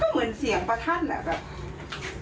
เหมือนเสียงประทั่นอ่ะแบบ